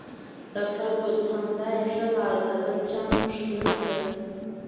ډاکټر وویل: همدا یې ښه لار ده، بل چانس پکې نشته.